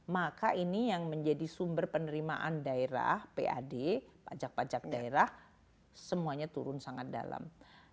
maka ini yang menjadi sumber penerimaan daerah pad pajak pajak daerah semuanya turun sangat dalam